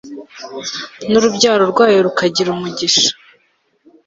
n'urubyaro rwayo rukagira umugisha